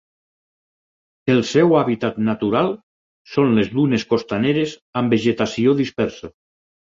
El seu hàbitat natural són les dunes costaneres amb vegetació dispersa.